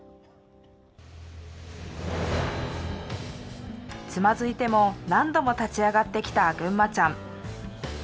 つまずいても何度も立ち上がってきたぐんまちゃん。